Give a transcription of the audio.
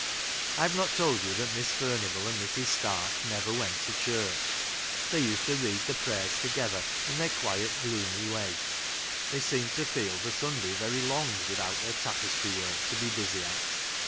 I have not I told you that Miss Furnivall and Mrs. Stark I never went to church : they used to read I the prayers together, in their quiet gloomy I way ; they seemed to feel the Sunday very ! long witliout their tapestry work to be busy j at.